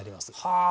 はあ！